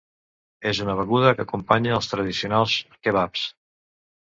És una beguda que acompanya els tradicionals kebabs.